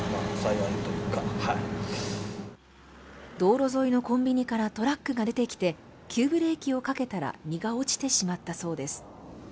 道路沿いのコンビニからトラックが出てきて急ブレーキをかけたら荷が落ちてしまったそうです。